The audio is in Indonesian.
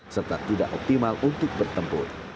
serta tidak optimal untuk bertempur